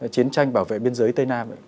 chiến tranh bảo vệ biên giới tây nam